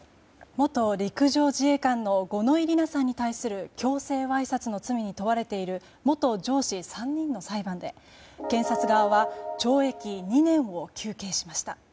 元陸上自衛官の五ノ井里奈さんに対する強制わいせつの罪に問われている元上司３人の裁判で検察側は懲役２年を求刑しました。